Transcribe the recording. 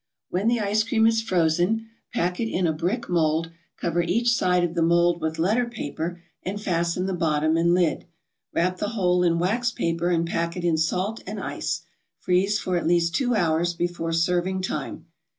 When the ice cream is frozen, pack it in a brick mold, cover each side of the mold with letter paper and fasten the bottom and lid. Wrap the whole in wax paper and pack it in salt and ice; freeze for at least two hours before serving time.